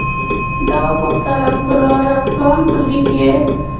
ده وپوښتلم: څووم ټولګي کې یې؟